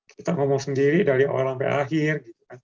kita ngomong sendiri dari awal sampai akhir